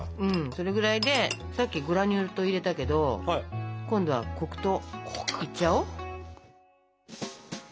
それぐらいでさっきグラニュー糖入れたけど今度は黒糖。